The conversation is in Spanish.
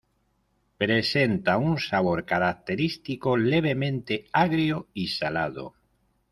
Presenta un sabor característico, levemente agrio y salado.